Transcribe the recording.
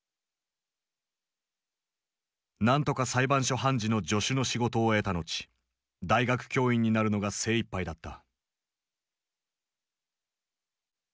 何とか裁判所判事の助手の仕事を得た後大学教員になるのが精いっぱいだった。